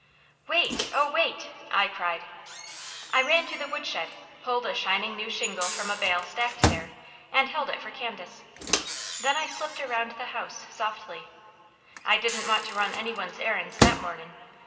"Wait oh wait!" I cried. I ran to the woodshed, pulled a shining new shingle from a bale stacked there, and held it for Candace. Then I slipped around the house softly. I didn't want to run any one's errands that morning.